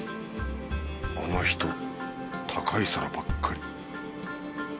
あの人高い皿ばっかり